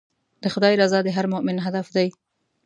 د خدای رضا د هر مؤمن هدف دی.